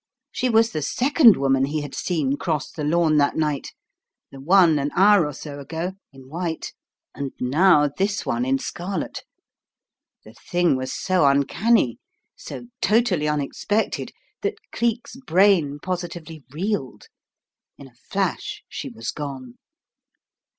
She was the second woman he had seen cross the lawn that night, the one an hour or so ago, in white, and now this one in scarlet. The thing was so uncanny, so totally unexpected, that Cleek's brain positively reeled. In a flash she was gone.